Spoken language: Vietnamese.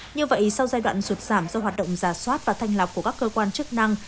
như vậy sau giai đoạn sụt giảm do hoạt động giả soát và thanh lọc của các cơ quan chức năng